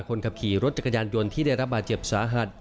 คนขับขี่รถจักรยานยนต์ที่ได้รับบาดเจ็บสาหัส